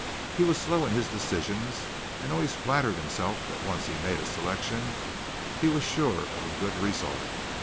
He was slow in his decisions, and always flattered himself that once he made a selection he was sure of a good result.